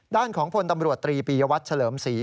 ด้านของพลตำรวจตรีปียวัตรเฉลิมศรี